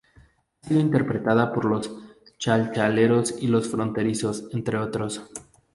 Ha sido interpretada por Los Chalchaleros y Los Fronterizos, entre otros.